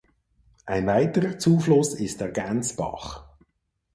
Ein weiterer Zufluss ist der Gänsbach.